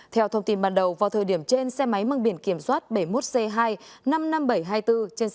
theo thông tin ban đầu vào thời điểm trên xe máy măng biển kiểm soát bảy mươi một c hai năm mươi năm nghìn bảy trăm hai mươi bốn